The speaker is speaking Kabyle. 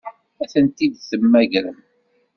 Ad tent-id-temmagrem?